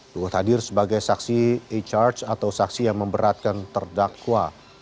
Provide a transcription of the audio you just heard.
luhut hadir sebagai saksi e charge atau saksi yang memberatkan terdakwa